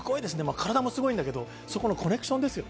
体もすごいんだけど、そこのコネクションです。